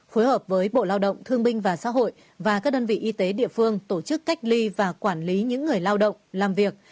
phối hợp với bộ lao động thương binh và xã hội và các đơn vị y tế địa phương tổ chức cách ly và quản lý những người lao động làm việc